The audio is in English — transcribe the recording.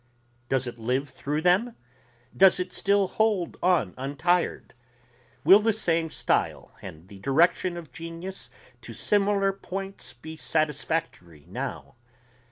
Does it live through them? Does it still hold on untired? Will the same style and the direction of genius to similar points be satisfactory now?